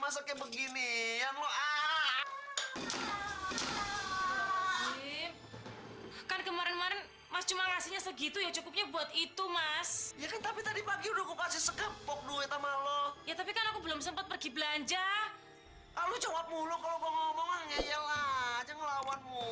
sampai jumpa di video selanjutnya